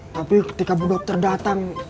tapi ketika bu dokter datang